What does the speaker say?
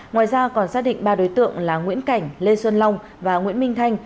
ngoài ra còn xác định ba đối tượng là nguyễn cảnh lê xuân long và nguyễn minh thanh